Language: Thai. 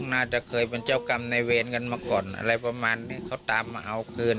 น่าจะเคยเป็นเจ้ากรรมในเวรกันมาก่อนอะไรประมาณนี้เขาตามมาเอาคืน